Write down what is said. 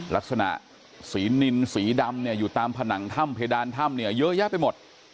ลักษณะสีนินสีดำเนี่ยอยู่ตามผนังถ้ำเพดานถ้ำเนี่ยเยอะแยะไปหมด